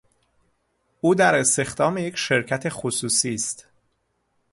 او در استخدام یک شرکت خصوصی است.